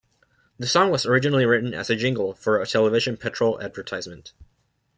The song was originally written as a jingle for a television petrol advertisement.